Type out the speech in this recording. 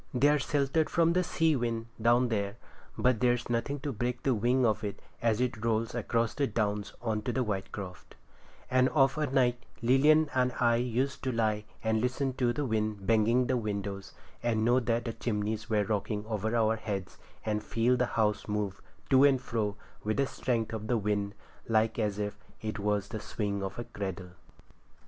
They are sheltered from the sea wind down there, but there's nothing to break the wing of it as it rolls across the Downs on to Whitecroft; and of a night Lilian and I used to lie and listen to the wind banging the windows, and know that the chimneys were rocking over our heads, and feel the house move to and fro with the strength of the wind like as if it was the swing of a cradle.